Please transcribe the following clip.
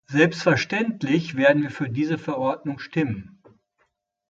Selbstverständlich werden wir für diese Verordnung stimmen.